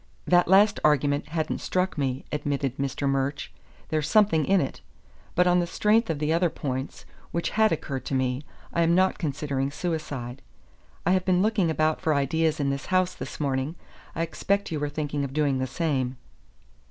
"That last argument hadn't struck me," admitted Mr. Murch. "There's something in it. But on the strength of the other points, which had occurred to me, I am not considering suicide. I have been looking about for ideas in this house, this morning. I expect you were thinking of doing the same."